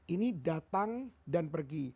ini datang dan pergi